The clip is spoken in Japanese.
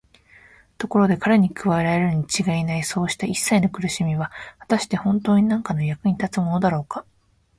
ところで彼に加えられるにちがいないそうしたいっさいの苦しみは、はたしてほんとうになんかの役に立つものだろうか。